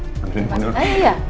tante mari ya